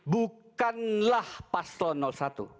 bukanlah pasol satu